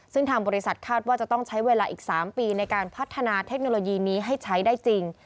ซึ่งทางบริษัทคาดว่าจะต้องใช้เวลาอีก๓ปีในการพัฒนาเทคโนโลยีนี้ให้ใช้ได้จริง